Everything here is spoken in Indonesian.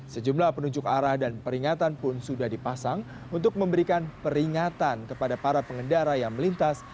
sejumlah penunjuk arah dan peringatan pun sudah dipasang untuk memberikan peringatan kepada para pengendara yang melintas